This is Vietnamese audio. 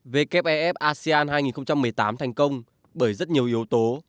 wef asean hai nghìn một mươi tám thành công bởi rất nhiều yếu tố